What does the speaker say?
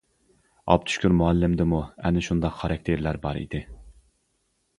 ئابدۇشۈكۈر مۇئەللىمدىمۇ ئەنە شۇنداق خاراكتېرلەر بار ئىدى.